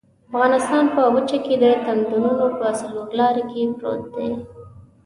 افغانستان په وچه کې د تمدنونو په څلور لاري کې پروت دی.